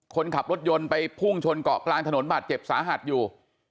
คนขับรถยนต์ไปพุ่งชนเกาะกลางถนนบาดเจ็บสาหัสอยู่